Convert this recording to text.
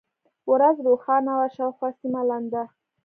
ورځ روښانه وه، شاوخوا سیمه لنده.